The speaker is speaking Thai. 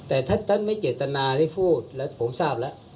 แต่ถ้าท่านไม่เจตนาได้พูดแล้วผมทราบแล้ว